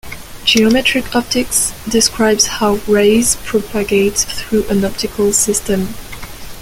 Geometric optics describes how rays propagate through an optical system.